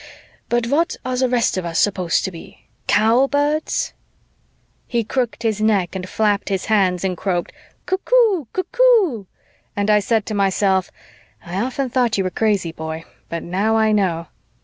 "But what are the rest of us supposed to be cowbirds?" He crooked his neck and flapped his hands and croaked, "Cuc koo! Cuc koo!" And I said to myself, "I often thought you were crazy, boy, but now I know."